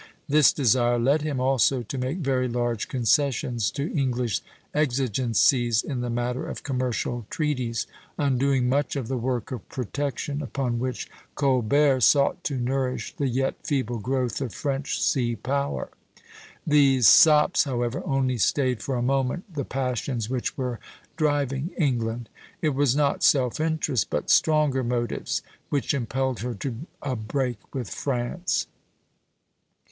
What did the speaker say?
This desire led him also to make very large concessions to English exigencies in the matter of commercial treaties, undoing much of the work of protection upon which Colbert sought to nourish the yet feeble growth of French sea power. These sops, however, only stayed for a moment the passions which were driving England; it was not self interest, but stronger motives, which impelled her to a break with France.